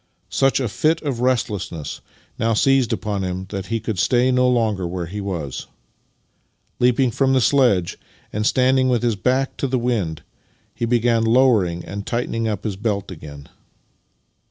Such a fit of restlessness now seized upon him that he could stay no longer where he was. Leaping from the sledge, and standing with his back to the wind, he began lowering and tightening up his belt again.